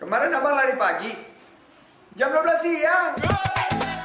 kemarin abang lari pagi jam dua belas siang